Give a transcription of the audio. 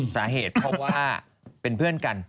สาเหตุเพราะว่าเป็นเพื่อนกัน